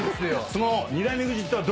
その。